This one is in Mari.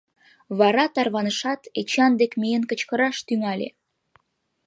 Вара тарванышат, Эчан дек миен кычкыраш тӱҥале: